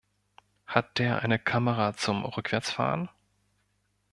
Hat der eine Kamera zum Rückwärtsfahren?